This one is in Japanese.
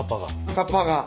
カッパが。